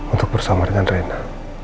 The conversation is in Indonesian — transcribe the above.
untuk bersama dengan rena